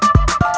kau mau kemana